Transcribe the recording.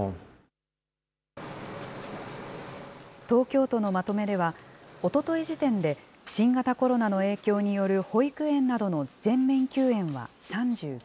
東京都のまとめでは、おととい時点で新型コロナの影響による保育園などの全面休園は３９。